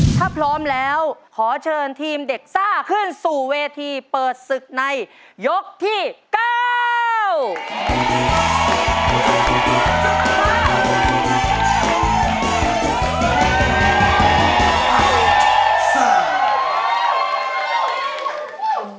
ถ้าพร้อมแล้วขอเชิญทีมเด็กซ่าขึ้นสู่เวทีเปิดศึกในยกที่เก้า